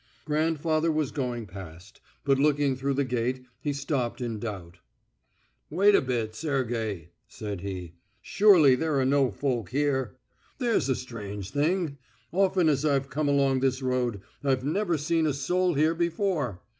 Grandfather was going past, but looking through the gate he stopped in doubt. "Wait a bit, Sergey," said he. "Surely there are no folk here! There's a strange thing! Often as I've come along this road, I've never seen a soul here before.